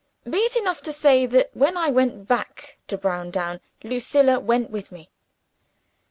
Be it enough to say, that when I went back to Browndown, Lucilla went with me.